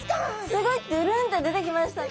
すごいどぅるんって出てきましたね。